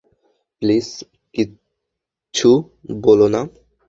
Please কিচ্ছু বোলো না।